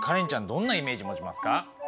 どんなイメージ持ちますか？